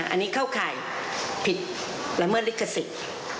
อันนี้เข้าข่ายผิดละเมิดลิขสิทธิ์